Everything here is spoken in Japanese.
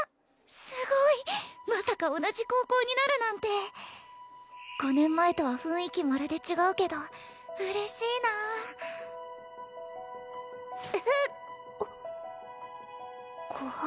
すごいまさか同じ高校になるなんて５年前とは雰囲気まるで違うけど嬉しいな風ご飯